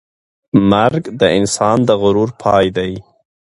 مرګ د انسان د غرور پای دی.